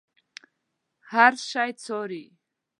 هر شی څاري.